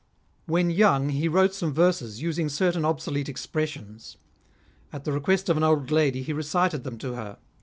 " When young, he wrote some verses, using certain obsolete expressions. At the request of an old lady he recited them to her.